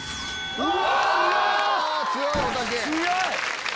うわ！